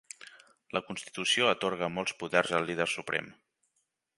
La constitució atorga molts poders al líder suprem.